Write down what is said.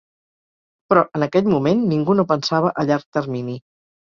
Però, en aquell moment, ningú no pensava a llarg termini.